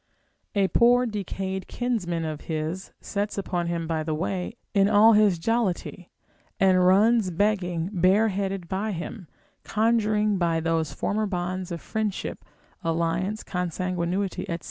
A poor decayed kinsman of his sets upon him by the way in all his jollity, and runs begging bareheaded by him, conjuring by those former bonds of friendship, alliance, consanguinity, &c.